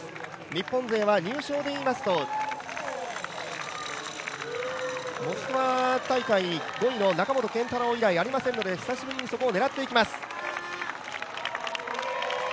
日本勢は入賞で言いますと、モスクワ大会５位の中本健太郎以来、ありませんので、久しぶりにそこを狙っていきます。